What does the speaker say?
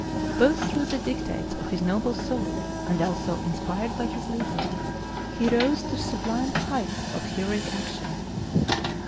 Both through the dictates of his noble soul, and also inspired by his leader, he rose to sublime heights of heroic action.